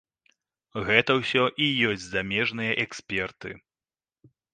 Гэта ўсё і ёсць замежныя эксперты.